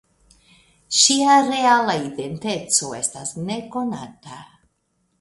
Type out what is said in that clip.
Ŝia reala identeco estas nekonata.